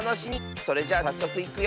それじゃあさっそくいくよ。